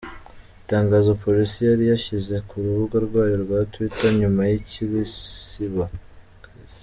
Itangazo police yari yashyize ku rubuga rwayo twa twitter nyuma ikarisiba: